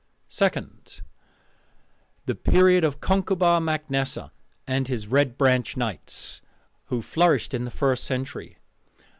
Second: The Period of Concobar mac Nessa and his Red Branch Knights, who flourished in the first century.